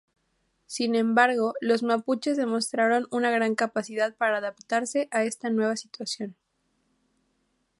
Sin embargo, los mapuches demostraron una gran capacidad para adaptarse a esta nueva situación.